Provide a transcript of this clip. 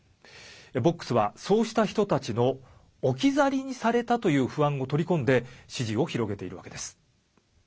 ボックスは、そうした人たちの置き去りにされたという不安を取り込んで、支持を広げています。